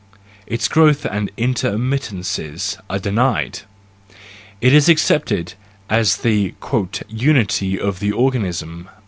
Its growth and intermit tences are denied ! It is accepted as the " unity of the organism"!